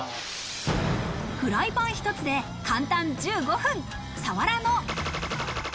フライパン一つで簡単１５分、さわらの。